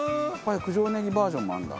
九条ねぎバージョンもあるんだ。